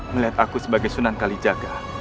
melihat aku sebagai sunan kalijaga